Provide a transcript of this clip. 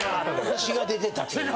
血が出てたっていう。